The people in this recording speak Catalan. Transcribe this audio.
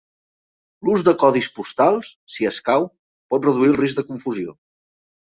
L'ús de codis postals, si escau, pot reduir el risc de confusió.